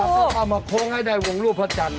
ต้องเอามาโค้งให้ได้วงรูปพระจันทร์